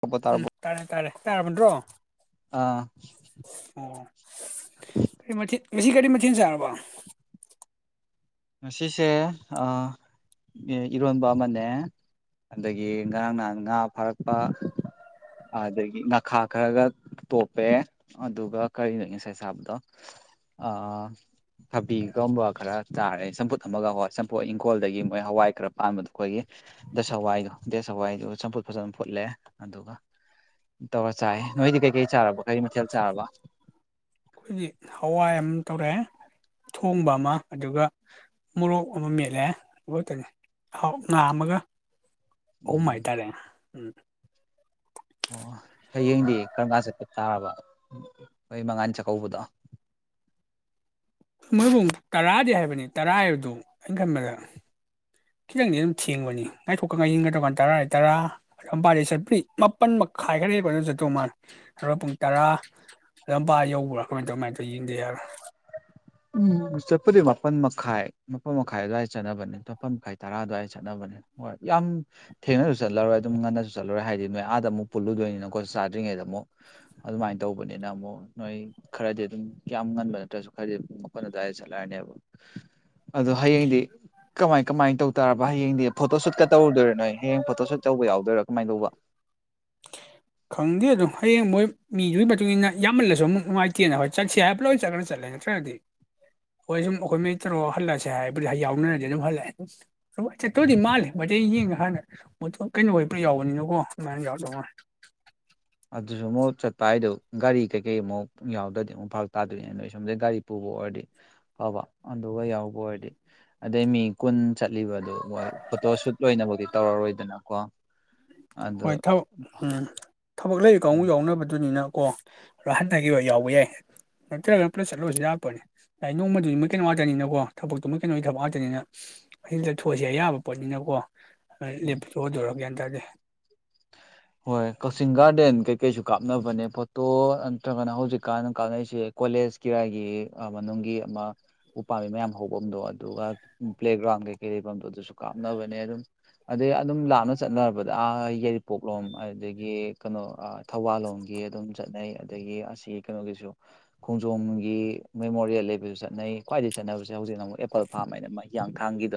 ꯇꯥꯔꯕꯣ ꯎꯝ ꯇꯥꯔꯕꯣ ꯇꯥꯔꯦ ꯇꯥꯔꯦ ꯇꯥꯔꯕ ꯅꯠꯇ꯭ꯔꯣ ꯑꯥ ꯑꯣ ꯉꯁꯤ ꯀꯔꯤ ꯃꯊꯦꯜ ꯆꯔꯥꯕ ꯉꯁꯤꯁꯦ ꯑꯥ ꯏꯔꯣꯟꯕ ꯑꯃꯅꯦ ꯑꯗꯒꯤ ꯉꯔꯥꯡ ꯅꯍꯥꯟ ꯉꯥ ꯐꯥꯔꯛꯄ ꯑꯥꯗꯒꯤ ꯉꯈꯥ ꯈꯔꯒ ꯇꯣꯞꯄꯦ ꯑꯗꯨꯒ ꯀꯔꯤꯅꯣ ꯉꯁꯥꯏ ꯆꯥꯕꯗꯣ ꯑꯥ ꯊꯕꯤꯒꯨꯝꯕ ꯈꯔꯥ ꯆꯥꯔꯦ ꯆꯝꯐꯨꯠ ꯑꯃꯒ ꯍꯣꯏ ꯆꯝꯐꯨꯠ ꯏꯪꯈꯣꯜꯗꯒꯤ ꯃꯣꯏ ꯍꯋꯥꯏ ꯈꯔ ꯄꯥꯟꯕꯗꯣ ꯑꯩꯈꯣꯏꯒꯤ ꯗꯦꯁ ꯍꯋꯥꯏꯗꯣ ꯗꯦꯁ ꯍꯋꯥꯏꯗꯣ ꯆꯝꯐꯨꯠ ꯐꯖꯅ ꯐꯨꯠꯂꯦ ꯑꯗꯨꯒ ꯇꯧꯔ ꯆꯥꯏꯌꯦ ꯅꯣꯏꯗꯤ ꯀꯩꯀꯩ ꯆꯥꯔꯕ ꯀꯔꯤ ꯃꯊꯦꯜ ꯆꯥꯔꯕ ꯑꯈꯣꯏꯗꯤ ꯍꯋꯥꯏ ꯑꯝ ꯇꯧꯔꯦ ꯊꯣꯡꯕ ꯑꯃ ꯑꯗꯨꯒ ꯃꯣꯔꯣꯛ ꯑꯃ ꯃꯦꯠꯂꯦ ꯑꯗꯨ ꯈꯛꯇꯅꯤ ꯉꯥ ꯑꯃꯒ ꯑꯍꯨꯝ ꯎꯝ ꯍꯥꯏꯇꯥꯔꯦ ꯎꯝ ꯑꯣ ꯍꯌꯦꯡꯗꯤ ꯀꯔꯝ ꯀꯥꯟ ꯆꯠꯄ ꯇꯥꯔꯕ ꯅꯣꯏ ꯃꯉꯥꯅꯤ ꯆꯥꯛꯀꯧꯕꯗꯣ ꯃꯣꯏꯄꯨꯡ ꯇꯔꯥꯗꯤ ꯍꯥꯏꯕꯅꯤ ꯇꯔꯥ ꯍꯥꯏꯕꯗꯨ ꯑꯩ ꯈꯟꯕꯗ ꯈꯤꯇꯪꯗꯤ ꯑꯗꯨꯝ ꯊꯦꯡꯕꯅꯤ ꯉꯥꯏꯊꯣꯛꯀ ꯉꯥꯏꯖꯤꯟꯒ ꯗꯧꯀꯥꯟꯗ ꯇꯔꯥ ꯍꯥꯢ ꯇꯔꯥ ꯑꯝꯄꯥ ꯆꯠꯄꯨꯢ ꯃꯥꯄꯟ ꯃꯈꯥꯏ ꯈꯔ ꯂꯩꯕ ꯑꯗꯨ ꯆꯇꯨ ꯃꯥꯂꯦ ꯑꯗꯨꯒ ꯄꯨꯡ ꯇꯔꯥ ꯑꯗꯣꯝꯄꯥ ꯌꯧꯕ꯭ꯔꯥ ꯀꯃꯥꯏ ꯇꯧ ꯀꯃꯥꯏ ꯇꯧ ꯌꯦꯡꯗ ꯌꯥꯔꯣꯢ ꯎꯝ ꯆꯠꯄꯗꯤ ꯃꯥꯄꯟ ꯃꯈꯥꯏ ꯃꯥꯄꯟ ꯃꯈꯥꯏ ꯑꯗꯨꯋꯥꯏꯗ ꯆꯠꯅꯕꯅꯦ ꯃꯥꯄꯟ ꯃꯈꯥꯏ ꯇꯔꯥ ꯑꯗꯨꯋꯥꯏꯗ ꯆꯠꯅꯕꯅꯤ ꯍꯣꯏ ꯌꯥꯝ ꯊꯦꯡꯅꯁꯨ ꯆꯠꯂꯔꯣꯏ ꯑꯗꯨꯝ ꯉꯟꯅꯁꯨ ꯆꯠꯂꯔꯣꯏ ꯍꯥꯏꯗꯤ ꯅꯣꯏ ꯑꯥꯗ ꯑꯃꯨꯛ ꯄꯨꯜꯂꯨꯗꯣꯏꯅꯤꯅ ꯈꯣꯏꯁꯨ ꯆꯥꯗ꯭ꯔꯤꯉꯩꯗ ꯑꯃꯨꯛ ꯑꯗꯨꯃꯥꯏꯅ ꯇꯧꯕꯅꯤꯅ ꯑꯃꯨꯛ ꯅꯣꯏ ꯈꯔꯗꯤ ꯑꯗꯨꯝ ꯀꯌꯥꯝ ꯉꯟꯕ ꯅꯠꯇ꯭ꯔꯁꯨ ꯈꯔꯗꯤ ꯃꯥꯄꯟ ꯑꯗꯨꯋꯥꯏꯗ ꯆꯠꯂꯛꯑꯅꯦꯕ ꯑꯗꯣ ꯍꯌꯦꯡꯗꯤ ꯀꯃꯥꯏ ꯀꯃꯥꯏ ꯇꯧ ꯇꯥꯔꯕ ꯍꯌꯦꯡꯗꯤ ꯐꯣꯇꯣ ꯁꯨꯠꯀ ꯇꯧꯔꯨꯗꯣꯏꯔꯣ ꯅꯣꯏ ꯍꯌꯦꯡ ꯐꯣꯇꯣ ꯁꯨꯠ ꯇꯧꯕ ꯌꯥꯎꯗꯣꯏꯔꯣ ꯀꯃꯥꯏ ꯇꯧꯕ [unintelligible] ꯈꯪꯗꯦ ꯑꯗꯨꯝ ꯍꯌꯦꯡ ꯃꯣꯏ ꯃꯤꯗꯨꯒꯤ ꯃꯇꯨꯡ ꯏꯟꯅ ꯌꯥꯝꯃꯜꯂꯁꯨ ꯑꯃꯨꯛ ꯅꯨꯡꯉꯥꯏꯇꯦꯅ ꯍꯣꯏ ꯆꯠꯁꯦ ꯍꯥꯏꯔ ꯂꯣꯏ ꯆꯠꯂꯒ ꯆꯠꯂꯦ ꯈ꯭ꯔꯗꯤ ꯍꯣꯏ ꯁꯨꯝ ꯑꯩꯈꯣꯏ ꯃꯤ ꯇꯔꯨꯛ ꯍꯜꯂꯛꯁꯦ ꯍꯥꯏꯕꯗꯤ ꯌꯥꯎꯅꯔꯗꯤ ꯑꯗꯨꯝ ꯍꯜꯂꯛꯑꯦ ꯑꯩ ꯆꯠꯇꯧꯗꯤ ꯃꯥꯜꯂꯦ ꯃꯩꯇꯩ ꯌꯦꯡꯉ ꯍꯥꯟꯅ ꯀꯩꯅꯣ ꯄꯨꯔꯥ ꯌꯥꯎꯕꯅꯀꯣ ꯑꯗꯨꯃꯥꯏꯅ ꯌꯥꯎꯔ [unintelligible] ꯑꯗꯨꯁꯨ ꯑꯃꯨꯛ ꯆꯠꯄ ꯍꯥꯏꯗꯣ ꯒꯥꯔꯤ ꯀꯩꯀꯩ ꯑꯃꯨꯛ ꯌꯥꯎꯗ꯭ꯔꯗꯤ ꯑꯃꯨꯛ ꯐꯥꯔꯛ ꯇꯥꯗꯣꯏꯅꯦ ꯅꯣꯏ ꯁꯣꯝꯗꯩ ꯒꯥꯔꯤ ꯄꯨꯕ ꯑꯣꯏꯔꯗꯤ ꯐꯕ ꯑꯗꯨꯒ ꯌꯥꯎꯕ ꯑꯣꯏꯔꯗꯤ ꯑꯗꯩ ꯃꯤ ꯀꯨꯟ ꯆꯠꯂꯤꯕꯗꯣ ꯐꯣꯇꯣ ꯁꯨꯠ ꯂꯣꯏꯅꯕꯛꯇꯤ ꯇꯧꯔꯔꯣꯏꯗꯅꯀꯣ ꯑꯗꯨ ꯋꯥꯏꯊꯧ ꯎꯝ ꯊꯕꯛ ꯂꯩꯔꯤ ꯀꯥꯡꯕꯨ ꯌꯥꯎꯅꯕꯗꯨꯅꯤꯅ ꯀꯣ ꯍꯟꯇꯀꯤ ꯑꯣꯏ ꯌꯥꯎꯕ ꯌꯥꯏ ꯅꯠꯇꯔꯥꯒꯅ ꯄꯨꯂꯞ ꯆꯠꯂꯁꯨ ꯌꯥꯄꯣꯠꯅꯤ ꯅꯣꯡꯃꯗꯨꯗꯤ ꯃꯣꯏ ꯀꯩꯅꯣ ꯉꯥꯛꯇꯅꯤꯅꯀꯣ ꯊꯕꯛꯇꯣ ꯃꯣꯏ ꯀꯩꯅꯣ ꯊꯕꯛ ꯉꯥꯛꯇꯅꯤꯅ ꯑꯁꯤꯗꯊꯣꯛꯑꯁꯦ ꯑꯌꯥꯕ ꯄꯣꯠꯅꯤꯅꯀꯣ ꯂꯦꯞꯇꯅ ꯇꯣꯛꯑꯗꯣꯔꯥ ꯒꯤꯌꯟ ꯇꯥꯗꯦ ꯍꯣꯏ ꯀꯛꯆꯤꯡ ꯒꯥꯔꯗꯦꯟ ꯀꯩꯀꯩꯁꯨ ꯀꯥꯞꯅꯕꯅꯦ ꯐꯣꯇꯣ ꯅꯠꯇ꯭ꯔꯒꯅ ꯍꯧꯖꯤꯛꯀꯥꯟꯅ ꯀꯥꯞꯅꯩꯁꯦ ꯀꯣꯂꯦꯖ ꯀꯤꯔꯥꯏꯒꯤ ꯃꯅꯨꯡꯒꯤ ꯑꯃ ꯎꯄꯥꯥꯝꯕꯤ ꯃꯌꯥꯝ ꯍꯐꯝꯗꯣ ꯑꯗꯨꯒ ꯄ꯭ꯂꯦꯒ꯭ꯔꯥꯎꯟ ꯀꯩꯀꯩ ꯂꯩꯐꯝꯗꯣ ꯑꯗꯨꯁꯨ ꯀꯥꯞꯅꯕꯅꯦ ꯑꯗꯨꯝ ꯑꯗꯩ ꯑꯗꯨꯝ ꯂꯥꯞꯅ ꯆꯠꯅꯔꯕꯗꯥ ꯌꯥꯏꯔꯤꯄꯣꯛ ꯂꯣꯝ ꯑꯗꯨꯗꯒꯤ ꯀꯩꯅꯣ ꯊꯧꯕꯥꯜ ꯂꯣꯝꯒꯤ ꯑꯗꯨꯝ ꯆꯠꯅꯩ ꯑꯗꯒꯤ ꯑꯁꯤꯒꯤ ꯀꯩꯅꯣꯒꯤꯁꯨ ꯈꯣꯡꯖꯣꯝꯒꯤ ꯃꯦꯃꯣꯔꯤꯌꯦꯜ ꯂꯩꯕꯁꯨ ꯆꯠꯅꯩ ꯈ꯭ꯋꯥꯏꯗꯒꯤ ꯆꯠꯅꯕꯁꯤ ꯍꯧꯖꯤꯛ ꯑꯃꯨꯛ ꯑꯦꯄꯜ ꯐꯥꯝ ꯍꯥꯏꯅ ꯊꯥꯡꯒꯤꯗꯣ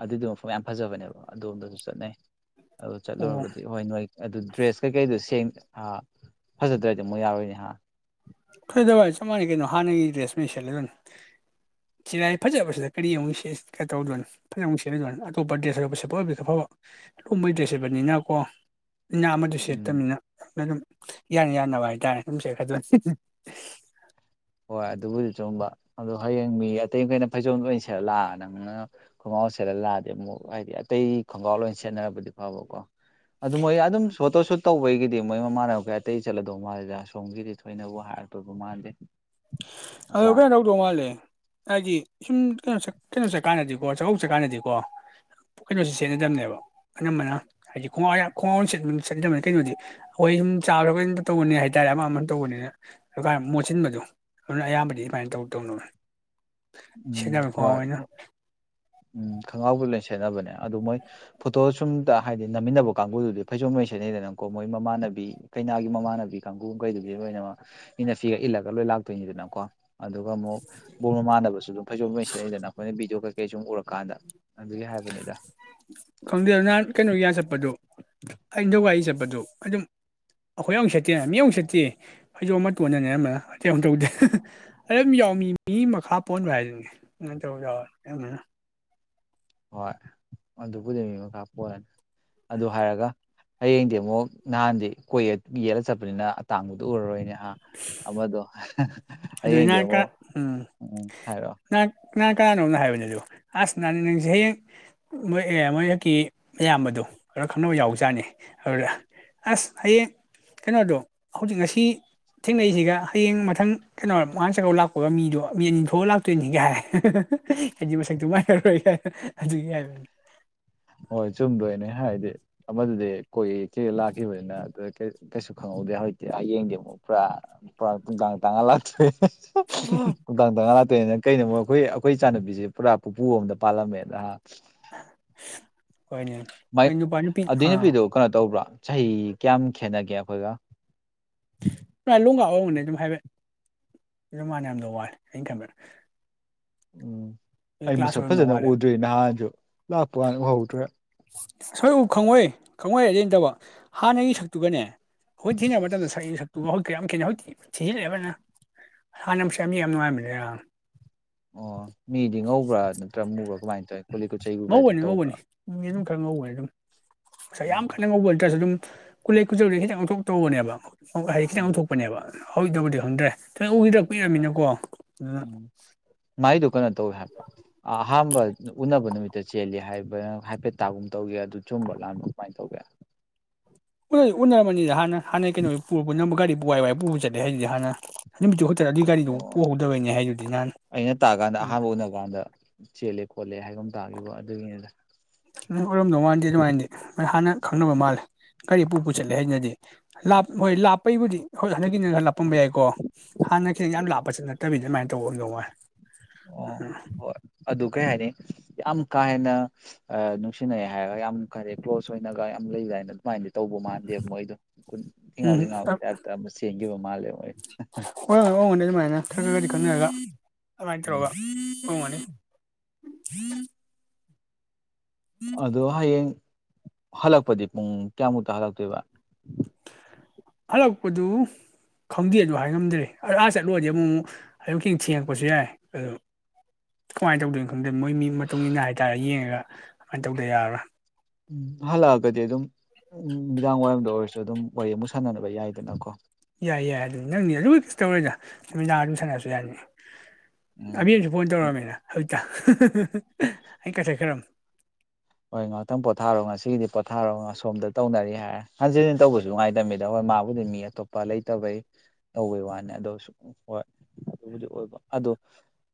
ꯑꯗꯨꯏꯗꯣ ꯃꯐꯝ ꯌꯥꯝ ꯐꯖꯕꯅꯦꯕ ꯑꯗꯣꯝꯗꯁꯨ ꯆꯠꯅꯩ ꯑꯗꯨ ꯑꯣ ꯆꯠꯂꯨꯔꯕꯗꯤ ꯍꯣꯏ ꯅꯣꯏ ꯑꯗꯨ ꯗ꯭ꯔꯦꯁ ꯀꯩꯀꯩꯗꯣ ꯁꯦꯡ ꯑꯥ ꯐꯖꯗ꯭ꯔꯗꯤ ꯑꯃꯨꯛ ꯌꯥꯔꯣꯏꯅꯦ ꯍꯥ ꯀꯩꯗꯧꯏ ꯍꯥꯏ ꯆꯞꯃꯥꯟꯅꯩ ꯀꯩꯅꯣ ꯍꯥꯟꯅꯒꯤ ꯗ꯭ꯔꯦꯁ ꯂꯣꯏ ꯁꯦꯠꯂꯤꯗꯨꯅꯤ ꯆꯤꯔꯥꯏ ꯐꯖꯕꯁꯤꯗ ꯀꯔꯤ ꯑꯃꯨꯛ ꯆꯦꯟꯁꯟ ꯇꯧꯗꯣꯏꯅꯣ ꯐꯖꯅ ꯑꯃꯨꯛ ꯁꯦꯠ ꯑꯗꯨꯃꯥꯏꯅ ꯑꯇꯣꯞꯄ ꯗ꯭ꯔꯦꯁ ꯁꯦꯠꯄ ꯑꯣꯏꯕꯗꯤ ꯑꯐꯕ ꯂꯨꯍꯣꯡꯕꯩ ꯗ꯭ꯔꯦꯁ ꯁꯦꯠꯄꯅꯤꯅꯀꯣ ꯏꯅ ꯑꯃꯗꯣ ꯎꯝ ꯁꯦꯠꯇꯕꯅꯤꯅ ꯑꯗꯨꯝ ꯌꯥꯅ ꯌꯥꯟꯅꯅꯕ ꯍꯥꯏꯇꯥꯔꯦ ꯑꯗꯨꯝ ꯁꯦꯠꯈꯔꯥꯗꯣꯏꯅꯤ ꯍꯣꯏ ꯑꯗꯨꯕꯨꯗꯤ ꯆꯨꯝꯕ ꯑꯗꯣ ꯍꯌꯦꯡ ꯃꯤ ꯑꯇꯩ ꯃꯈꯩꯅ ꯐꯩꯖꯣꯝ ꯂꯣꯏ ꯁꯦꯠꯂ ꯂꯥꯛꯑꯥ ꯅꯪꯅ ꯈꯣꯡꯒ꯭ꯔꯥꯎ ꯁꯦꯠꯂ ꯂꯥꯛꯑꯗꯤ ꯑꯃꯨꯛ ꯍꯥꯏꯗꯤ ꯑꯇꯩ ꯈꯣꯡꯒ꯭ꯔꯥꯎ ꯂꯣꯏ ꯁꯦꯠꯅꯔꯕꯨꯗꯤ ꯐꯥꯕꯀꯣ ꯑꯗꯨ ꯃꯣꯏ ꯑꯗꯨꯝ ꯐꯣꯇꯣ ꯁꯨꯠ ꯇꯧꯕꯩꯒꯤꯗꯤ ꯃꯣꯏ ꯃꯃꯥꯟꯅꯕ ꯀꯩ ꯑꯇꯩ ꯆꯠꯂꯗꯧ ꯃꯥꯜꯂꯤꯗ ꯑꯁꯣꯝꯒꯤꯗꯤ ꯊꯣꯏꯅꯕꯨ ꯍꯥꯏꯔꯛꯄꯕꯨ ꯃꯥꯥꯟꯗꯦ ꯑ ꯀ [inaudible] ꯅꯣꯡꯉꯥꯜꯂꯦ ꯍꯥꯏꯗꯤ ꯁꯨꯝ ꯀꯩꯅꯣ ꯀꯩꯅꯣ ꯆꯠꯀꯥꯟꯗꯗꯤꯀꯣ ꯆꯥꯛꯀꯧꯕ ꯆꯠꯀꯥꯟꯗꯗꯤꯀꯣ ꯀꯩꯅꯣꯁꯤ ꯁꯦꯠꯅꯗꯕꯅꯦꯕ ꯑꯅꯝꯕꯅ ꯍꯥꯏꯗꯤ ꯈꯣꯡ ꯈꯣꯡꯒꯥ꯭ꯔꯎ ꯆꯠꯅꯗꯕꯅꯤ ꯀꯩꯅꯣꯗꯤ ꯑꯩꯈꯣꯏ ꯁꯨꯝ ꯆꯥꯕꯁꯨ ꯀꯔꯤ ꯇꯧꯕꯅꯤꯅ ꯍꯥꯏꯇꯥꯔꯦ ꯑꯃ ꯑꯃ ꯇꯧꯕꯅꯤꯅ ꯃꯣꯠꯁꯤꯟꯕꯗꯣ ꯑꯗꯨꯅ ꯑꯌꯥꯝꯕꯗꯤ ꯗꯨꯃꯥꯏꯅ ꯇꯧ ꯇꯧꯅꯕꯅꯦ ꯎꯝ ꯍꯣꯏ ꯎꯝ ꯈꯣꯡꯒ꯭ꯔꯥꯎꯒ ꯂꯣꯏ ꯁꯦꯠꯅꯕꯅꯦ ꯑꯗꯨ ꯃꯣꯏ ꯐꯣꯇꯣ ꯁꯨꯝꯇ ꯍꯥꯏꯗꯤ ꯅꯝꯃꯤꯟꯅꯕ ꯀꯥꯡꯕꯨꯗꯨꯗꯤ ꯐꯩꯖꯣꯝ ꯂꯣꯏ ꯁꯦꯠꯅꯩꯗꯅꯀꯣ ꯃꯣꯏ ꯃꯃꯥꯟꯅꯕꯤ ꯀꯩꯅꯥꯒꯤ ꯃꯃꯥꯟꯅꯕꯤ ꯀꯥꯡꯕꯨ ꯀꯩꯗꯨꯕꯤ ꯂꯣꯏꯅꯃꯛ ꯏꯟꯅ ꯐꯤꯒ ꯏꯜꯂꯒ ꯂꯣꯏ ꯂꯥꯛꯇꯣꯏꯅꯤꯗꯅꯀꯣ ꯑꯗꯨꯒ ꯑꯃꯨꯛ ꯕꯣꯔ ꯃꯥꯟꯅꯕꯁꯨ ꯨ ꯑꯗꯨꯝ ꯐꯩꯖꯣꯝ ꯂꯣꯏ ꯁꯦꯠꯅꯏꯗꯅ ꯑꯩꯈꯣꯏꯅ ꯚꯗꯤꯑꯣ ꯀꯩꯀꯩ ꯁꯨꯝ ꯎꯔꯀꯥꯟꯗ ꯑꯗꯨꯒꯤ ꯍꯥꯏꯕꯅꯤꯗ ꯈꯪꯗꯦ ꯑꯗꯨ ꯅꯍꯥꯟ ꯀꯩꯅꯣꯒꯤꯗ ꯆꯠꯄꯗꯣ ꯍꯊꯧ ꯋꯥꯒꯤ ꯆꯠꯄꯗꯣ ꯑꯗꯨꯝ ꯑꯩꯈꯣꯏ ꯌ ꯑꯃꯅꯨꯡꯛ ꯁꯠꯇꯦ ꯃꯤ ꯑꯃꯅꯨꯡ ꯁꯠꯇꯤ [inaudible] ꯐꯩꯖꯣꯝ ꯑꯃ ꯃꯇꯣꯟꯗꯅꯦ ꯑꯃꯅ ꯑꯇꯩ ꯑꯃ ꯇꯧꯗꯦ ꯑꯩ ꯑꯗꯨꯝ ꯌꯥꯎꯃꯤ ꯃꯤ ꯃꯈꯥ ꯄꯣꯟꯕ ꯍꯥꯏꯗꯨꯅꯦ ꯎ ꯆꯧ ꯌꯥꯔ [inaudible] ꯍꯣꯏ ꯑꯗꯨꯕꯨꯗꯤ ꯃꯤ ꯃꯈꯥ ꯄꯣꯂꯅꯤ ꯑꯗꯨ ꯍꯥꯏꯔꯒ ꯍꯌꯦꯡꯗꯤ ꯑꯃꯨꯛ ꯅꯍꯥꯟꯗꯤ ꯀꯣꯏ ꯌꯦꯠꯂ ꯆꯠꯄꯅꯤꯅ ꯑꯇꯥꯡꯕꯗꯨ ꯎꯔꯔꯣꯏꯅꯦ ꯑ ꯑꯃꯗꯣ ꯑꯗꯨ ꯍꯌꯦꯡꯗꯤ ꯏꯍꯀ ꯑꯃꯨꯛ ꯎꯝ ꯉꯅꯥ ꯀꯥꯅꯣꯅ ꯍꯥꯏꯕꯅꯦ ꯑꯗꯨꯣ ꯑꯁꯅ ꯅꯪꯁꯤ ꯍꯌꯦꯡ ꯃꯣꯏ ꯑꯦ ꯃꯣꯏ ꯍꯦꯛꯀꯤ ꯑꯌꯥꯝꯕꯗꯨ ꯈꯔ ꯈꯪꯅꯕ ꯌꯥꯎꯕꯖꯥꯠꯅꯤ ꯑꯗꯨꯗ ꯑꯁ ꯍꯌꯦꯡ ꯀꯩꯅꯣꯗꯣ ꯍꯧꯖꯤꯛ ꯉꯁꯤ ꯊꯦꯡꯅꯔꯤꯁꯤꯒ ꯍꯌꯦꯡ ꯃꯊꯪ ꯀꯩꯅꯣ ꯃꯥꯟ ꯆꯥꯛꯀꯧ ꯂꯥꯛꯄꯒ ꯃꯤꯗꯣ ꯃꯤ ꯑꯅꯤ ꯊꯣꯛꯑ ꯂꯥꯛꯇꯣꯏꯅꯤꯒ ꯍꯥꯏꯔꯦ ꯍꯥꯏꯗꯤ ꯃꯁꯛꯇꯨ ꯃꯥꯏꯅꯔꯣꯏꯒ ꯑꯗꯨ ꯌꯥꯕꯅꯤ ꯍꯣꯏ ꯆꯨꯝꯗꯣꯏꯅꯦ ꯍꯥꯏꯗꯤ ꯃꯗꯨꯗꯤ ꯀꯣꯏ ꯆꯦ ꯂꯥꯛꯈꯤꯕꯅꯤꯅ ꯑꯗꯨ ꯀꯩꯁꯨ ꯈꯪꯍꯧꯗꯦ ꯍꯧꯖꯤꯛꯇꯤ ꯌꯦꯡꯉꯣ ꯄ ꯅꯨꯡꯗꯥꯡ ꯇ ꯂꯥꯀꯇꯣꯏ ꯅꯨꯡꯗꯥꯡ ꯇꯔꯥꯉꯥ ꯂꯥꯛꯇꯣꯏꯅꯤꯅ ꯀꯩꯅꯣ ꯑꯩꯈꯣꯏ ꯑꯩꯈꯣꯏ ꯏ ꯆꯥꯟꯅꯨꯕꯤꯁꯦ ꯄꯨꯔꯥ ꯄꯨꯄꯨ ꯑꯝꯗ ꯄꯥꯜꯂꯝꯃꯦꯅ ꯅꯍꯥꯛ ꯍꯣꯏꯅꯤ ꯑꯗꯨꯏ ꯅꯨꯄꯤꯗꯨꯣ ꯀꯩꯅꯣ ꯇꯧꯕ꯭ꯔꯥ ꯆꯍꯤ ꯀꯌꯥꯝ ꯈꯦꯠꯅꯒꯦ ꯑꯩꯈꯣꯏꯒ ꯂꯣꯡꯒꯥꯔꯕꯅꯦ ꯑꯗꯨꯝ ꯍꯥꯏꯐꯦꯠ ꯑꯗꯨꯝ ꯃꯥꯅ ꯌꯥꯝꯅ ꯋꯥꯂꯦ ꯑꯩꯅ ꯈꯕꯗ ꯑꯩ ꯀ꯭ꯂꯥꯁ ꯃꯁꯛ ꯑꯣꯏꯔꯝꯗꯧ ꯐꯖꯅ ꯃꯥꯜꯂꯦ ꯎꯗ꯭ꯔꯤ ꯅꯍꯥꯟꯁꯨ ꯂꯥꯛꯄ ꯀꯅ ꯎꯍꯧꯗ꯭ꯔꯦ ꯑꯁꯣꯏ ꯎ ꯈꯪꯉꯣꯏ ꯈꯪꯉꯣꯏꯔꯗꯩꯠꯇꯕ ꯍꯥꯟꯅꯒꯤ ꯁꯛꯇꯨꯒꯅꯦ ꯍꯣꯏ ꯊꯦꯡꯅ ꯃꯇꯝꯗ [unintelligible] ꯇ ꯍꯧꯖꯤꯛ ꯀꯌꯥ ꯌꯥꯝ ꯀꯦꯅꯩ ꯍꯧꯖꯤꯛꯇꯤ ꯊꯤꯖꯤꯜꯂꯛꯦꯕꯅ ꯍꯥꯟꯅꯁ ꯌꯥꯝ ꯃꯤ ꯌꯥꯝ ꯅꯨꯡꯉꯥꯏꯕꯅꯦ ꯑꯣ ꯃꯤꯗꯤ ꯉꯧꯕ꯭ꯔꯥ ꯅꯠꯇ꯭ꯔ ꯃꯨꯕ꯭ꯔꯥ ꯀꯃꯥꯏꯅ ꯇꯧꯋꯤ ꯀꯨꯂꯩ ꯀꯨꯠ ꯆꯩꯒꯨꯕ ꯍꯥꯏꯗꯅ ꯉꯧꯕꯅꯤ ꯇꯧꯕ꯭ꯔꯥ ꯉꯧꯕꯅꯤ ꯃꯤ ꯑꯗꯨꯝ ꯈꯪꯍꯧꯕꯅꯦ ꯑꯗꯨꯝ ꯉꯁꯥꯏ ꯌꯥꯝ ꯎꯝ ꯀꯟꯅ ꯉꯧꯕ ꯅꯠꯇ꯭ꯔꯁꯨ ꯑꯗꯨꯝ ꯀꯨꯂꯩ ꯀꯨꯆꯧꯗ ꯈꯤꯇꯪ ꯑꯣꯟꯊꯣꯛ ꯇꯧꯕꯅꯦꯕ ꯍꯥꯏꯗꯤ ꯈꯤꯇꯪ ꯎꯝ ꯑꯣꯟꯊꯣꯛꯄꯅꯦꯕ ꯍꯧꯗꯕꯨꯗꯤ ꯈꯪꯗ꯭ꯔꯦ ꯊ ꯎꯈꯤꯔꯛꯄ ꯏꯔꯝꯃꯤꯅꯀꯣ ꯎꯝ ꯃꯥꯏꯗꯣ ꯀꯩꯅꯣ ꯇꯧꯋꯦ ꯍꯥꯏꯕ ꯑꯍꯥꯥꯟꯕ ꯎꯅꯕ ꯅꯨꯃꯤꯠ ꯆꯦꯜꯂꯤ ꯍꯥꯏꯕ ꯍꯥꯏꯐꯦꯠꯇꯥꯒꯨꯝ ꯇꯧꯒꯦ ꯑꯗꯨ ꯆꯨꯝꯕ ꯂꯥꯟꯕ ꯀꯃꯥꯏꯅ ꯇꯧꯒꯦ ꯎ ꯎꯅꯔꯝꯃꯅꯤꯅ ꯍꯥꯟꯅ ꯍꯥꯟꯅ ꯀꯩꯅꯣ ꯄꯨꯔ ꯒꯥꯔꯤ ꯄꯨꯏ ꯋꯥꯏ ꯄꯨꯕ ꯆꯠꯂꯦ ꯍꯥꯏꯁꯤꯗꯤ ꯍꯥꯟꯅ ꯅꯨꯃꯤꯠꯇꯨ ꯈꯛꯇꯔ ꯑꯗꯨꯏ ꯒꯥꯔꯤꯗꯨꯣ ꯑꯣ ꯄꯣꯛꯍꯧꯗꯕꯩꯅꯦ ꯍꯥꯏꯗꯨꯗꯤ ꯅꯍꯥꯟ ꯑꯗꯨ ꯄꯨꯅ ꯀꯥꯟꯗ ꯆꯦꯜꯂꯦ ꯈꯣꯠꯂꯦ ꯍꯥꯏꯕ ꯑꯃ ꯇꯥꯈꯤꯕ ꯑꯗꯨꯒꯤꯅꯤꯗ ꯑꯣꯏꯔꯝꯗꯧ ꯃꯥꯥꯟꯗꯦ ꯑꯗꯨꯃꯥꯏꯅꯗꯤ ꯍꯥꯟꯅ ꯈꯪꯅꯕ ꯃꯥꯜꯂꯦ ꯒꯥꯔꯤ ꯄꯨ ꯄꯨꯁꯠꯂꯦ ꯍꯥꯏꯁꯤꯅꯗꯤ ꯂꯥꯞ ꯍꯣꯏ ꯂꯥꯞꯄꯩꯕꯨꯗꯤ ꯍꯣꯏ ꯍꯟꯗꯛꯀꯤꯁꯤ ꯈ ꯂꯞꯄꯝꯕ ꯌꯥꯏꯀꯣ ꯍꯥꯟꯅ ꯈꯤꯇꯪ ꯌꯥꯝ ꯂꯥꯄꯁꯨ ꯅꯠꯇꯕꯤꯗ ꯑꯗꯨꯃꯥꯏꯅ ꯇꯧꯕ ꯑꯃꯗꯧꯉꯣꯏ ꯎ ꯑꯣ ꯍꯣꯏ ꯑꯗꯨ ꯀꯩ ꯍꯥꯏꯅꯤ ꯌꯥꯝ ꯀꯥ ꯍꯦꯟꯅ ꯑ ꯅꯨꯡꯁꯤꯅꯩ ꯍꯥꯏꯔꯒ ꯌꯥꯝ ꯀꯔꯦ ꯀ꯭ꯂꯣꯖ ꯑꯣꯏꯅꯒ ꯌꯥꯝ ꯂꯩꯗꯥ ꯍꯥꯏꯅꯝ ꯁꯨꯃꯥꯏꯅꯗꯤ ꯇꯧꯕ ꯃꯥꯟꯗꯦꯕ ꯃꯣꯏꯗꯣ ꯊꯤꯉꯥꯎ ꯎꯝ ꯂꯩꯉꯥꯎꯒꯤ ꯇꯥꯏꯞꯇ ꯑꯃ ꯆꯦꯟꯈꯤꯕ ꯃꯥꯜꯂꯦꯕ ꯃꯣꯏ ꯍꯣꯏ ꯍꯣꯏ ꯍꯣꯡꯒꯅꯤ ꯑꯗꯨꯃꯥꯏꯅ ꯈꯔ ꯈꯔ ꯈꯗꯤ ꯈꯪꯅꯔꯒ ꯑꯗꯨꯃꯥꯏꯅ ꯎꯝ ꯇꯧꯔꯒ ꯍꯣꯡꯒꯅꯤ [unintelligible] ꯑꯗꯣ ꯍꯌꯦꯡ ꯍꯜꯂꯛꯄꯗꯤ ꯄꯨꯡ ꯀꯌꯥꯃꯨꯛꯇ ꯍꯜꯂꯛꯇꯣꯏꯕ ꯍꯜꯂ ꯄꯗꯨ ꯈꯪꯗꯦ ꯑꯗꯨ ꯍꯥꯏꯉꯝꯗ꯭ꯔꯦ ꯑ ꯑꯥ ꯆꯠꯂꯨꯔꯗꯤ ꯑꯃꯛꯛ ꯍꯧꯌꯛꯀꯤꯦꯡ ꯊꯦꯡꯉꯛꯄꯁꯨ ꯌꯥꯏ ꯑꯗꯨ ꯀꯃꯥꯏꯅ ꯇꯧꯗꯣꯏꯅꯣ ꯈꯪꯗꯣꯏꯦ ꯃꯣꯏꯒꯤ ꯃꯇꯨꯡ ꯏꯟꯅ ꯍꯥꯏꯇꯥꯔꯦ ꯌꯦꯡꯉꯒ ꯀꯃꯥꯏꯅ ꯇꯧꯗ ꯌꯥꯔꯔꯣꯏ ꯎꯝ ꯍꯜꯂꯛꯑꯒꯗꯤ ꯑꯗꯨꯝ ꯅꯨꯃꯤꯗꯥꯡ ꯋꯥꯏꯔꯝꯗ ꯑꯣꯏꯔꯁꯨ ꯑꯗꯨꯝ ꯋꯥꯔꯤ ꯑꯃꯨꯛ ꯁꯥꯟꯅꯅꯕ ꯌꯥꯏꯗꯅꯀꯣ ꯌꯥꯏ ꯌꯥꯏ ꯑꯗꯨꯝ ꯅꯪꯗꯤ ꯑꯗꯨ ꯀ ꯇꯧꯔꯣꯏꯗ ꯁꯃꯤꯗꯥ ꯑꯗꯨꯝ ꯁꯥꯟꯅꯔꯁꯨ ꯌꯥꯅꯤ ꯎꯝ ꯑꯕꯦꯟꯁꯨ ꯐꯣꯟ ꯇꯧꯔꯛꯝꯃꯤꯅ ꯍꯧꯖꯤꯛꯇ ꯑꯩ ꯀꯊꯠꯈ꯭ꯔꯝꯅꯤ ꯍꯣꯏ ꯉꯥꯏꯥꯛꯇꯪ ꯄꯣꯊꯥꯔꯣ ꯉꯁꯤꯒꯤꯗꯤ ꯄꯣꯊꯥꯔꯣ ꯉꯁꯣꯝꯗ ꯇꯅꯔꯤ ꯍꯥꯏꯔꯦ ꯍꯟꯖꯤꯟ ꯍꯟ ꯇꯧꯕꯁꯨ ꯉꯥꯏꯇꯕꯃꯤꯗ ꯍꯣꯏ ꯃꯥꯕꯨꯗꯤ ꯃꯤ ꯑꯇꯣꯞꯄ ꯂꯩꯇꯕꯩ ꯇꯧꯕꯩ ꯋꯥꯅꯤ ꯑꯗꯣ ꯍꯣꯏ ꯑꯗꯨꯕꯨꯗꯤ ꯑꯣꯏꯕ ꯑꯗ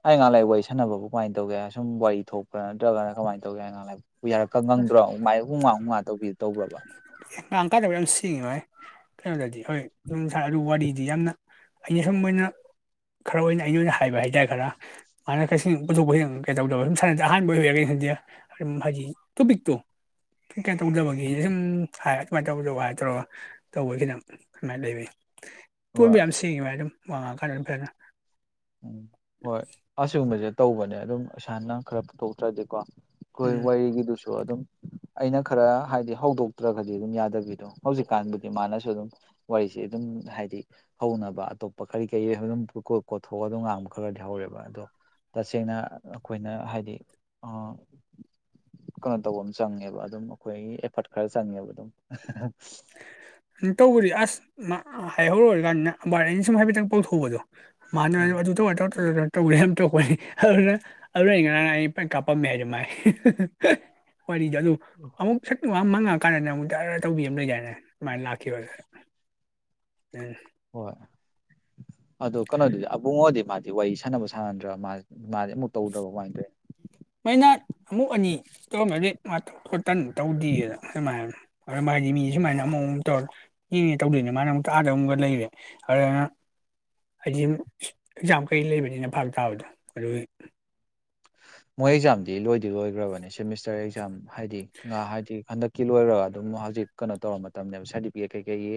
ꯑꯩ ꯉꯉꯥꯡ ꯂꯥꯏꯏꯛ ꯋꯥꯔꯤ ꯁꯥꯟꯅꯕꯕꯨ ꯀꯃꯥꯏꯅ ꯇꯧꯒꯦꯁꯨꯝ ꯋꯥꯔꯤ ꯊꯣꯛꯄ ꯅꯠꯇ꯭ꯔꯒꯅ ꯀꯃꯥꯏꯅ ꯇꯧꯒꯦ ꯑꯩꯉꯍ ꯂꯛ ꯌꯥꯔꯛꯀ ꯉꯪꯗ꯭ꯔꯣ ꯃꯥꯏ ꯍꯨꯃꯉꯥ ꯍꯨꯉꯥ ꯇꯧꯕꯤ ꯇꯧꯕ꯭ꯔꯕ ꯉꯥꯡ ꯀꯥꯟꯗꯕ ꯌꯥꯝ ꯁꯦꯡꯉꯤ ꯍꯣꯏ ꯀꯩꯅꯣꯗꯗꯤ ꯍꯣꯏ ꯑꯗꯨꯝꯔ ꯑꯗꯨ ꯋꯥꯔꯤꯗꯤ ꯌꯥꯝꯅ ꯑꯩꯅ ꯁꯨꯝ ꯑꯣꯏꯅ ꯈꯔ ꯑꯣꯏꯅ ꯑꯩꯅ ꯑꯣꯏꯅ ꯍꯥꯏꯕ ꯍꯥꯏꯇꯥꯔꯦ ꯈꯔ ꯃꯥꯅ ꯀꯩ ꯄꯨꯊꯣꯛꯄ ꯀꯩꯗꯧꯗꯕ ꯁꯅ ꯑꯍꯥꯟꯕ ꯑꯣꯏꯔꯦ ꯒꯩꯅꯣꯗꯤ ꯈꯪꯗꯦ ꯑꯗꯨꯝ ꯍꯥꯏꯗꯤ ꯇꯣꯄꯤꯛꯇꯣ ꯀꯩ ꯀꯩ ꯇꯧꯗꯕꯒꯦ ꯁꯨꯝ ꯍꯥꯏ ꯀꯃꯥꯏꯅ ꯇꯧꯕꯗ ꯥꯏ ꯇꯧꯔꯒ ꯇꯧꯕ ꯈꯤꯇꯪ ꯁꯃꯥꯏꯅ ꯂꯩꯕ ꯄꯨꯟꯕ ꯍꯣꯏ ꯌꯥꯝ ꯁꯦꯡꯉꯤ ꯃꯥꯥꯏ ꯑꯗꯨꯝ ꯋꯥ ꯉꯥꯡꯑꯀꯥꯥꯟ ꯐꯖꯥꯟꯅ ꯎꯝ ꯍꯣꯏ ꯑꯁꯤꯒꯨꯝꯕꯁꯦ ꯇꯧꯕꯅꯦ ꯑꯗꯨꯝ ꯏꯁꯥꯅ ꯈꯔ ꯄꯨꯊꯣꯛꯇ꯭ꯔꯗꯤꯀꯣ ꯍꯣꯏ ꯎꯝ ꯋꯥꯔꯤꯒꯤꯗꯨꯁꯨ ꯑꯗꯨꯝ ꯑꯩꯅ ꯈꯔ ꯍꯥꯏꯗꯤ ꯍꯧꯗꯣꯛꯇ꯭ꯔꯒꯗꯤ ꯑꯗꯨꯝ ꯌꯥꯗꯕꯤꯗꯣ ꯍꯧꯖꯤꯛꯀꯥꯟꯗꯗꯤ ꯃꯥꯅꯁꯨ ꯑꯗꯨꯝ ꯋꯥꯔꯤꯁꯦ ꯑꯗꯨꯝ ꯍꯥꯏꯗꯤ ꯍꯧꯅꯕ ꯑꯇꯣꯞꯄ ꯀꯔꯤ ꯀꯔꯤ ꯑꯗꯨꯝ ꯊꯣꯛꯑ ꯑꯗꯨꯣ ꯉꯥꯡꯕ ꯈꯔꯗꯤ ꯍꯧꯔꯦꯕ ꯑꯗꯣ ꯇꯁꯦꯡꯅ ꯑꯩꯈꯣꯏꯅ ꯍꯥꯏꯗꯤ ꯑꯥ ꯀꯩꯅꯣ ꯇꯧꯕ ꯑꯃ ꯆꯪꯉꯦꯕ ꯑꯗꯨꯝ ꯑꯩꯈꯣꯏꯒꯤ ꯑꯦꯐꯔꯠ ꯈꯔ ꯆꯪꯉꯦꯕ ꯑꯗꯨꯝ ꯇꯧꯕꯗꯤ ꯑꯁ ꯍꯥꯏꯍꯧꯔꯔꯣꯀꯥꯟꯅ ꯕꯥꯔ ꯑꯅꯤ ꯁꯨꯝ ꯍꯥꯏꯐꯦꯠꯇꯪ ꯄꯧꯊꯣꯛꯕꯗꯣ ꯃꯥꯅ ꯑꯗꯨ ꯇꯧ ꯇꯧꯦ ꯇꯄꯅꯤ ꯑꯗꯨꯅ꯫ [inaudible] ꯑꯗꯨꯅ ꯑꯩ ꯉꯔꯥꯡ ꯑꯩ ꯄꯩꯈꯔꯥ ꯐꯥꯝꯃꯦ ꯍꯥꯏꯗꯣ ꯃꯥꯥꯏ ꯋꯥꯔꯤꯗꯣ ꯑꯗꯨ꯫ ꯎꯝ꯫ [inaudible] ꯑꯃꯨꯛ ꯁꯥꯛ ꯑꯃ ꯃꯪꯉꯛꯑꯀꯥꯟꯗ ꯅ ꯑꯃꯨꯛꯗꯔ ꯇꯧꯕꯤ ꯑꯃ ꯂꯩꯗꯥꯏꯅꯦ ꯁꯨꯃꯥꯏꯅ ꯂꯥꯛꯈꯤꯕꯅꯦ ꯑꯝ ꯍꯣꯏ ꯑꯗꯨ ꯀꯩꯅꯣꯗꯤꯗꯤ ꯑꯕꯨꯡꯉꯣꯗꯤ ꯃꯥꯗꯤ꯫ ꯋꯥꯔꯤ ꯁꯥꯟꯅꯕ ꯁꯥꯟꯅꯗ꯭ꯔꯥ ꯃꯥ ꯃꯥꯁꯦ ꯑꯃꯨꯛ ꯇꯧꯗ꯭ꯔꯕ ꯀꯃꯥꯏꯅ ꯇꯧꯋꯦ ꯃꯣꯏꯅ ꯑꯃꯨꯛ ꯑꯅꯤ ꯇꯧꯔꯝꯃꯦ ꯑꯗꯩ ꯇꯥꯟꯗꯅ ꯇꯧꯗꯦꯅꯦ ꯑꯗꯨꯝꯃꯥꯢ ꯍꯥꯏꯕꯅꯦ ꯑꯗ ꯃꯥ ꯍꯥꯏꯗꯤ ꯃꯤ ꯁꯨꯃꯥꯏꯅ ꯑꯃ ꯑꯃꯨ ꯇꯧꯔꯦ ꯇꯧꯗꯣꯏꯅꯦ ꯃꯥꯅ ꯑꯃꯨꯛ ꯑꯥꯗ ꯑꯃꯨꯛꯒ ꯂꯩꯔꯦ ꯑꯗꯨꯅ ꯍꯥꯏꯗꯤ ꯁ ꯑꯦꯛꯖꯥꯝ ꯀꯩ ꯂꯩꯕꯅꯤꯅ ꯐꯥꯔꯛ ꯇꯥꯕꯗꯣ ꯑꯗꯨꯒꯤ ꯃꯣꯏ ꯑꯦꯛꯖꯥꯝꯗꯤ ꯂꯣꯏꯗꯤ ꯂꯣꯏꯈ꯭ꯔꯕꯅꯦ ꯁꯦꯃꯤꯁꯇꯔ ꯑꯦꯛꯖꯥꯝ ꯍꯥꯏꯗꯤ ꯉꯥ ꯍꯥꯏꯗꯤ ꯍꯥꯟꯗꯛ ꯀꯤ ꯂꯣꯏꯔꯒ ꯑꯗꯨꯝ ꯍꯧꯖꯤꯛ ꯀꯩꯅꯣ ꯇꯧꯔ ꯃꯇꯝꯅꯦꯕ ꯁꯥꯔꯇꯤꯐꯤꯀꯦꯠ ꯀꯩꯀꯩꯒꯤ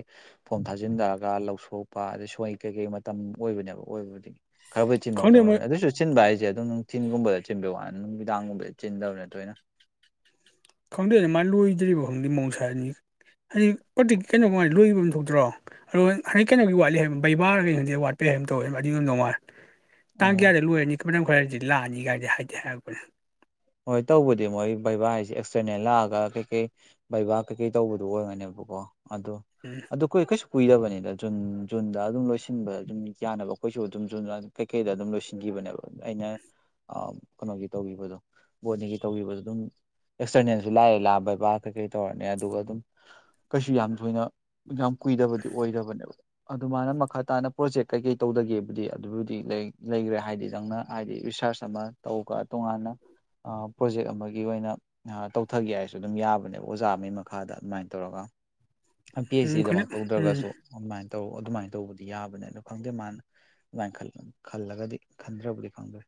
ꯐꯣꯝ ꯊꯥꯖꯤꯟꯊꯔꯒ ꯂꯧ ꯁꯣꯛꯄ ꯑꯗꯩ ꯁꯣꯏ ꯀꯩꯀꯩ ꯃꯇꯝ ꯑꯣꯏꯕꯅꯦꯕ ꯑꯣꯏꯕꯨꯗꯤ ꯈꯔꯕꯨꯗꯤ ꯆꯤꯟꯕ ꯈꯪꯗꯦ ꯃꯣꯏ ꯑꯣꯢꯕꯅꯦ ꯑꯗꯨꯁꯨ ꯆꯤꯟꯕ ꯍꯥꯏꯁꯦ ꯑꯗꯨꯝ ꯅꯨꯡꯊꯤꯟꯒꯨꯝꯕꯗ ꯆꯤꯟꯕ ꯋꯥꯅꯤ ꯅꯨꯃꯤꯗꯥꯡꯒꯨꯝꯕꯗ ꯆꯤꯟꯗꯕꯅꯦ ꯇꯣꯏꯅ꯫ ꯈꯪꯗꯦ ꯑꯗꯨ ꯃꯥꯅ ꯂꯣꯏꯗ꯭ꯔꯤꯕ ꯈꯪꯗꯦ ꯃꯧꯁꯥꯅꯤ ꯍꯥꯏꯖꯤꯛ ꯄꯣꯇꯤ ꯀꯩꯅꯣ ꯀꯃꯥꯏꯅ ꯂꯣꯏꯕ ꯑꯃ ꯊꯣꯛꯇ꯭ꯔꯣ꯫ ꯑꯗꯣ [inaudible] ꯍꯟꯛ ꯀꯩꯅꯣꯒꯤ ꯋꯥꯠꯂꯤ ꯍꯥꯏꯕ ꯕꯕꯥꯔꯒꯩ ꯍꯧꯖꯤ ꯋꯥꯠꯄꯩ ꯍꯥꯏꯕ ꯇꯧꯋꯦ ꯑꯗꯨ ꯌꯥꯝ ꯉꯥꯏ꯫ ꯑꯣ ꯇꯥꯡ ꯀꯌꯥꯗ ꯂꯣꯏꯔꯅꯤ ꯈ ꯃ [inaudible] ꯇꯝꯪ ꯈꯔꯗꯤ ꯂꯥꯛꯑꯅꯤꯒꯥꯏꯗꯤ ꯍꯥꯏꯗꯤꯦ ꯍꯥꯏꯔꯛꯄꯅꯦ ꯍꯣꯏ ꯇꯧꯕꯗꯤ ꯃꯣꯏ ꯕꯩꯕꯥ ꯍꯥꯏꯁꯤꯦ ꯑꯦꯛꯁꯇꯔꯅꯦꯜ ꯂꯥꯛꯑꯒ ꯀꯩꯀꯩ ꯕꯩꯕꯥꯥꯛ ꯀꯩꯀꯩ ꯇꯧꯕꯗꯨꯣ ꯑꯣꯏꯔꯅꯦꯕꯀꯣ ꯑꯗꯨ꯫ ꯎꯝ ꯑꯣ ꯑꯩꯈꯣꯏ ꯑꯩꯈꯣꯏꯁꯨ ꯀꯨꯏꯗꯕꯅꯤꯗ ꯖꯨꯟ ꯖꯨꯟꯗ ꯑꯗꯨꯝ ꯂꯣꯏꯁꯤꯟꯕ ꯑꯗꯨꯝ ꯌꯥꯅꯕ ꯑꯩꯈꯣꯏꯁꯨ ꯑꯗꯨꯝ ꯖꯨꯟ ꯀꯩꯀꯩꯗ ꯑꯗꯨꯝ ꯂꯣꯏꯁꯤꯟꯈꯤꯕꯅꯦꯕ ꯑꯩꯅ ꯀꯩꯅꯣꯒꯤ ꯇꯧꯒꯤꯕꯗꯣ ꯕꯣꯅꯤꯒꯤ ꯇꯧꯕꯤꯕꯗ ꯑꯗꯨꯝ ꯑꯦꯛꯁꯇꯔꯅꯦꯜꯁꯨ ꯂꯥꯛꯑꯦ ꯂꯥꯛ ꯕꯩꯕꯥ ꯀꯩꯀꯩ ꯇꯧꯔꯅꯤ ꯑꯗꯨꯒ ꯑꯗꯨꯝ ꯀꯩꯁꯨ ꯌꯥꯝ ꯊꯣꯏꯅ ꯌꯥꯝ ꯀꯨꯏꯗꯕꯗꯤ ꯑꯣꯏꯗꯕꯅꯦꯕ ꯑꯗꯨꯃꯥꯏꯅ ꯃꯈꯥ ꯇꯥꯅ ꯄ꯭ꯔꯣꯖꯦꯛ ꯀꯩꯀꯩ ꯇꯧꯗꯒꯦꯕꯨꯗꯤ ꯑꯗꯨꯕꯨꯗꯤ ꯂꯩꯈ꯭ꯔꯦ ꯍꯥꯏꯗꯤ ꯅꯪꯅ ꯍꯥꯏꯗꯤ ꯔꯤꯁꯥꯔꯁ ꯑꯃ ꯇꯧꯒ ꯇꯣꯉꯥꯟꯅ ꯄ꯭ꯔꯣꯖꯦꯛ ꯑꯃꯒꯤ ꯑꯣꯏꯅ ꯇꯧꯊꯒꯦ ꯍꯥꯏꯔꯁꯨ ꯑꯗꯨꯝ ꯌꯥꯕꯅꯦꯕ ꯑꯣꯖꯥ ꯑꯃꯒꯤ ꯃꯈꯥꯗ ꯑꯗꯨꯃꯥꯏꯅ ꯇꯧꯔꯒ ꯄꯤ ꯑꯩꯆ ꯎꯝ ꯈꯪꯗꯦ ꯗꯤꯗꯃꯛ ꯎꯝ ꯇꯧꯗ꯭ꯔꯒꯁꯨ ꯑꯗꯨꯃꯥꯏꯅ ꯇꯧ ꯑꯗꯨꯃꯥꯏꯅ ꯇꯧꯕꯗꯤ ꯌꯥꯕꯅꯦꯅ ꯈꯪꯗꯦ ꯃꯥꯅ ꯈꯜꯂꯒꯗꯤ ꯈꯟꯗ꯭ꯔꯕꯨꯗꯤ ꯈꯪꯗꯣꯏ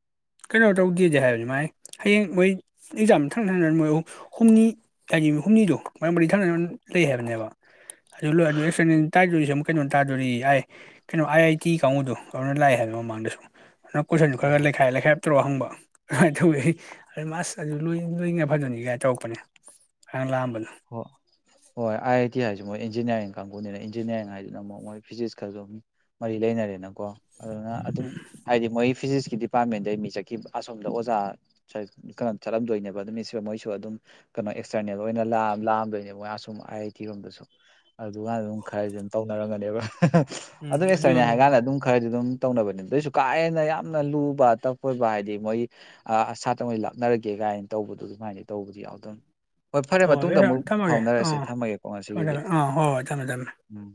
ꯀꯩꯅꯣ ꯇꯧꯗꯦꯗꯦ ꯍꯥꯏꯕꯅꯤ ꯃꯥꯏ ꯍꯌꯦꯡ ꯃꯣꯏ ꯑꯦꯛꯖꯥꯝ ꯊꯪꯅ ꯊꯪꯅꯅ ꯃꯣꯏ ꯍꯨꯝꯅꯤ ꯃꯤ ꯍꯨꯝꯅꯤꯗꯣ ꯃꯥꯔꯤ ꯃꯔꯤ ꯊꯥꯡꯅꯅꯕ ꯂꯩ ꯍꯥꯏꯕꯅꯦꯕ ꯑꯗꯨ ꯂꯣꯏꯔꯒ ꯑꯦꯛꯇꯔꯅꯦꯜ ꯇꯥꯏꯗꯣꯔꯤꯁꯦ ꯑꯃꯨꯛ ꯀꯩꯅꯣꯝ ꯇꯥꯗꯣꯔꯤ ꯌꯦ ꯀꯩꯅꯣ ꯑꯥꯏ ꯑꯥꯏ ꯇꯤ ꯀꯥꯡꯕꯨꯗꯨ ꯂꯥꯛꯑꯦ ꯍꯥꯏꯕ ꯃꯃꯥꯡꯗꯁꯨ ꯀꯣꯏꯁꯟꯗꯨ ꯈꯔ ꯑꯣ ꯂꯩꯈꯥꯏ ꯂꯩꯈꯥꯏ ꯐꯠꯇ꯭ꯔꯣ ꯍꯪꯕ ꯑꯗꯨꯃꯥꯏꯅ ꯇꯧꯋꯤ ꯑꯗꯨ ꯂꯣꯏ ꯂꯣꯏꯅ ꯐꯖꯅ ꯀꯥꯏꯅ ꯇꯧꯔꯛꯄꯅꯦ ꯍꯥꯟꯅ ꯂꯥꯛꯑꯝꯕꯅꯦ ꯍꯣꯏ ꯍꯣꯏ ꯑꯥꯏ ꯑꯥꯏ ꯇꯤ ꯍꯥꯏꯁꯤ ꯃꯣꯏ ꯏꯟꯖꯤꯅꯤꯌꯥꯔꯤꯡ ꯀꯥꯡꯕꯨꯅꯤꯅ ꯏꯟꯖꯤꯅꯤꯌꯥꯔꯤꯡ ꯍꯥꯏꯁꯤꯅ ꯑꯃꯨꯛ ꯃꯣꯏ ꯐꯤꯖꯤꯛ ꯃꯔꯤ ꯂꯩꯅꯔꯦꯅꯀꯣ ꯑꯗꯨꯅ ꯑꯗꯨꯝ ꯎꯝ ꯍꯥꯏꯗꯤ ꯃꯣꯏ ꯐꯤꯖꯤꯛꯁꯀꯤ ꯗꯤꯄꯥꯔꯠꯃꯦꯟꯗꯩ ꯃꯤ ꯆꯠꯈꯤꯕ ꯑꯁꯣꯝꯗ ꯑꯣꯖꯥ ꯆꯠ ꯀꯅꯣ ꯊꯦꯠꯂꯝꯗꯣꯏꯅꯦꯕ ꯑꯗꯨꯝ ꯃꯤꯁꯨ ꯃꯣꯏꯁꯨ ꯑꯗꯨꯝ ꯀꯩꯅꯣ ꯑꯦꯛꯁꯇꯔꯅꯦꯜ ꯑꯣꯏꯅ ꯂꯥꯑ ꯂꯥꯛꯑꯝꯗꯣꯏꯅꯦ ꯃꯣꯏꯑꯁꯨꯝ ꯑꯥꯏ ꯑꯥꯏ ꯇꯤ ꯔꯣꯝꯗꯁꯨ ꯑꯗꯨꯀꯥꯟꯗ ꯑꯗꯨꯝ ꯈꯔꯗꯤ ꯑꯗꯨꯝ ꯇꯧꯅꯔꯝꯒꯅꯦꯕ ꯎꯝ ꯑꯗꯨꯝ ꯑꯗꯨ ꯌꯥꯝ ꯑꯦꯛꯁꯇꯔꯅꯦ ꯍꯥꯏ ꯀꯥꯟꯗ ꯅꯨꯡꯉꯥꯏ ꯑꯗꯨꯝ ꯈꯔꯗꯤ ꯑꯗꯨꯝ ꯇꯧꯅꯕꯅꯤ ꯑꯗꯨꯏꯁꯨ ꯀꯥ ꯍꯦꯟꯅ ꯌꯥꯝꯅ ꯂꯨꯕ ꯇꯛꯄꯕ ꯍꯥꯏꯗꯤ ꯃꯣꯏꯒꯤ ꯑ ꯁꯥꯇꯔꯃꯩ ꯂꯥꯞꯅꯔꯒꯦ ꯀꯥꯏꯅ ꯇꯧꯕꯗꯨ ꯑꯗꯨꯃꯥꯏꯅ ꯇꯧꯕꯗꯤ ꯌꯥꯎꯗꯝꯅꯤ ꯍꯣꯏ ꯐꯔꯦ ꯇꯨꯡꯗ ꯑꯃꯨꯛ ꯊꯝꯃꯒꯦ ꯐꯥꯎꯅꯔꯁꯤ ꯑꯥ ꯊꯝꯃꯒꯦꯀꯣ ꯊꯝꯃꯦ ꯉꯁꯤꯒꯤꯗꯤ ꯊꯝꯃꯦ ꯑꯥ ꯍꯣꯏ ꯍꯣꯏ ꯊꯝꯃꯦ ꯊꯝꯃꯦ ꯎꯝ